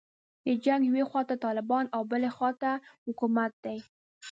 د جنګ یوې خواته طالبان او بلې خواته حکومت دی.